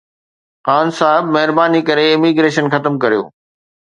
خان صاحب، مهرباني ڪري اميگريشن ختم ڪريو